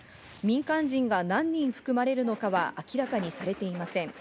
民間人が何人含まれるのかは明らかにされていません。